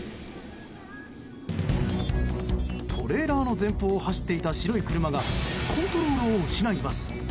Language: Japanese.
トレーラーの前方を走っていた白い車がコントロールを失います。